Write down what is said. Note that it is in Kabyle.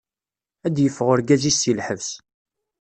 Ad d-yeffeɣ urgaz-is si lḥebs.